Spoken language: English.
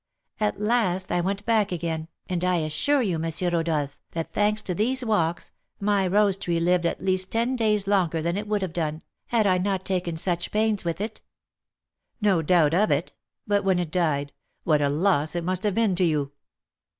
At last I went back again, and I assure you, M. Rodolph, that, thanks to these walks, my rose tree lived at least ten days longer than it would have done, had I not taken such pains with it." "No doubt of it. But when it died, what a loss it must have been to you!"